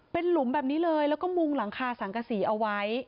เป็นหลุมแบบนี้เลยแล้วก็มุงหลังคาสังกษีเอาไว้